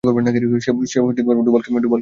সে ডুভালকে গুলি করেছে।